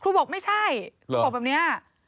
บอกไม่ใช่ครูบอกแบบนี้